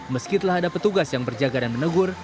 meskipun ada petugas yang berjaga dan menegur